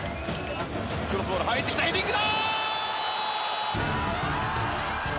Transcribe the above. クロスボール入ってきたヘディングだ！